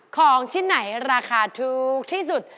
ของชิ้นไหนราคาถูกที่สุด